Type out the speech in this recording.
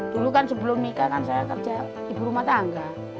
dulu kan sebelum nikah kan saya kerja ibu rumah tangga